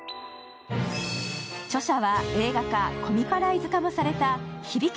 著者は映画化、コミカライズ化もされた「響け！